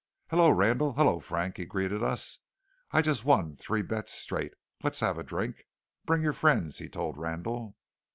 "Hullo! Randall! hullo! Frank!" he greeted us. "I've just won three bets straight. Let's have a drink. Bring your friends," he told Randall.